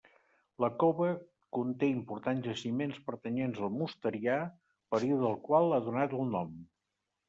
La cova conté importants jaciments pertanyents al mosterià, període al qual ha donat el nom.